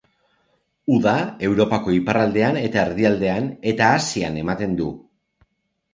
Uda Europako iparraldean eta erdialdean, eta Asian ematen du.